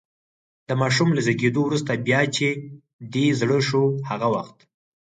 د ماشوم له زېږېدو وروسته، بیا چې دې زړه شو هغه وخت.